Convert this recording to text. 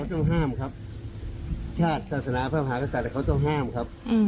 ต้องห้ามครับชาติศาสนาพระมหากษัตริย์เขาต้องห้ามครับ